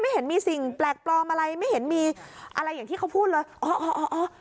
เห็นมีสิ่งแปลกปลอมอะไรไม่เห็นมีอะไรอย่างที่เขาพูดเลยอ๋ออ๋ออ๋อ